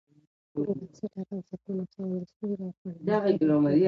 بېبنسټه فلسفي مسایل د ستونزو او خنډونو سبب کېږي.